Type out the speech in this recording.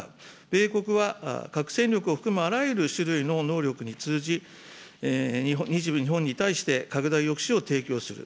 米国は核戦力を含むあらゆる種類の能力に通じ、日本に対して拡大抑止を提供する。